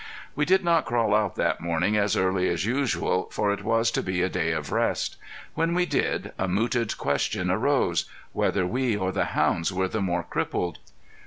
We did not crawl out that morning as early as usual, for it was to be a day of rest. When we did, a mooted question arose whether we or the hounds were the more crippled.